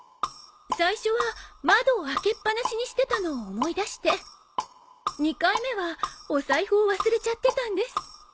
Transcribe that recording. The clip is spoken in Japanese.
最初は窓を開けっ放しにしてたのを思い出して２回目はお財布を忘れちゃってたんです。